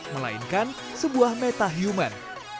melainkan sebuah metahuman